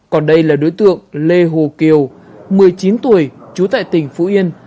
còn đây là đối tượng lê hồ kiều một mươi chín tuổi trú tại tỉnh phú yên